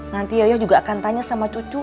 nanti yoyo juga akan tanya sama cucu